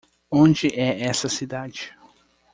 Onde é essa cidade?